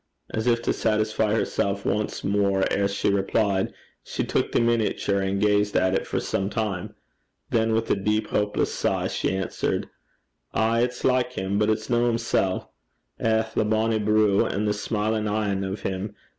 As if to satisfy herself once more ere she replied, she took the miniature, and gazed at it for some time. Then with a deep hopeless sigh, she answered, 'Ay, it's like him; but it's no himsel'. Eh, the bonny broo, an' the smilin' een o' him!